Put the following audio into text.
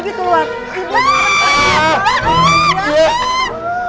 sedikit lagi keluar